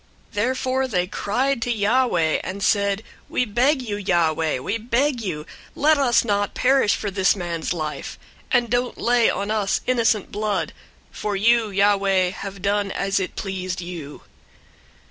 001:014 Therefore they cried to Yahweh, and said, "We beg you, Yahweh, we beg you, let us not perish for this man's life, and don't lay on us innocent blood; for you, Yahweh, have done as it pleased you."